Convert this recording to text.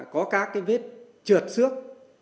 có các cái vết trượt xước